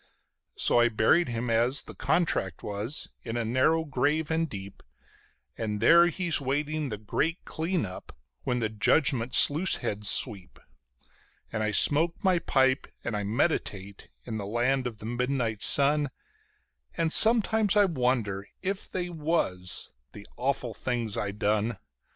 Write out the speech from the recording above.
So I buried him as the contract was in a narrow grave and deep, And there he's waiting the Great Clean up, when the Judgment sluice heads sweep; And I smoke my pipe and I meditate in the light of the Midnight Sun, And sometimes I wonder if they was, the awful things I done.